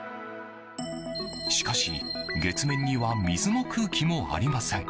しかし月面には水も空気もありません。